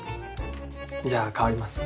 じゃあ代わります。